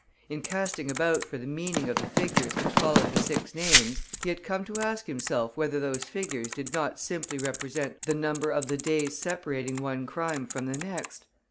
In casting about for the meaning of the figures which followed the six names, he had come to ask himself whether those figures did not simply represent the number of the days separating one crime from the next.